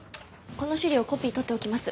この資料コピー取っておきます。